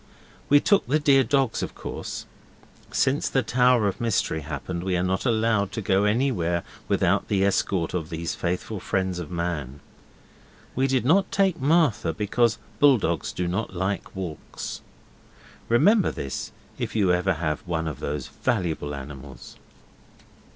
We took the dear dogs of course. Since the Tower of Mystery happened we are not allowed to go anywhere without the escort of these faithful friends of man. We did not take Martha, because bull dogs do not like walks. Remember this if you ever have one of those valuable animals.